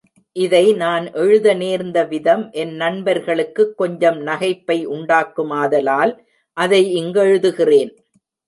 இதை நான் எழுத நேர்ந்த விதம் என் நண்பர்களுக்குக் கொஞ்சம் நகைப்பை உண்டாக்கு மாதலால், அதை இங்கெழுதுகிறேன்.